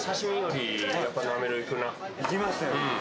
いきます？